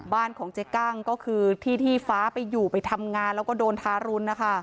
บ้านของเจ๊กั้งก็คือที่ที่ฟ้าไปอยู่ไปทำงานแล้วก็โดนทารุณนะคะ